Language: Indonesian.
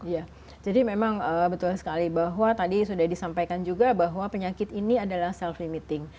ya jadi memang betul sekali bahwa tadi sudah disampaikan juga bahwa penyakit ini adalah self limiting